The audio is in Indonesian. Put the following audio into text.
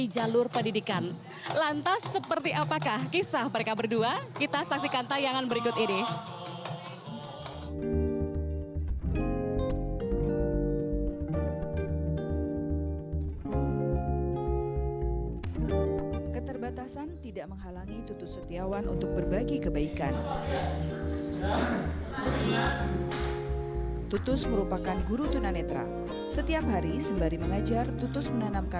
jadi sesuai dengan kemampuan yang ada